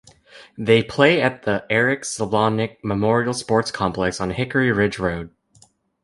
They play at the Eric Slebodnik Memorial Sports Complex on Hickory Ridge Road.